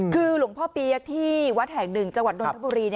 คือหลวงพ่อปีที่วัดแห่ง๑จดนทบุรี